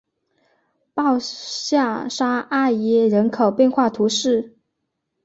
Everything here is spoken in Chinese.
鲍下沙艾耶人口变化图示